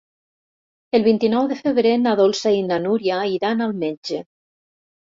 El vint-i-nou de febrer na Dolça i na Núria iran al metge.